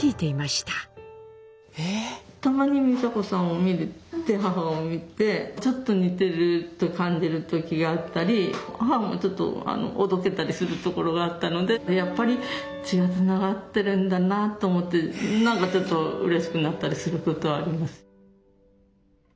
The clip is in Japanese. たまに美佐子さんを見て母を見てちょっと似てると感じる時があったり母もちょっとおどけたりするところがあったのでやっぱり血がつながってるんだなと思ってなんかちょっとうれしくなったりすることはあります。